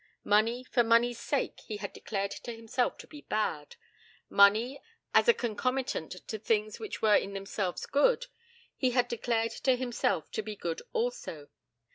Money for money's sake he had declared to himself to be bad. Money, as a concomitant to things which were in themselves good, he had declared to himself to be good also.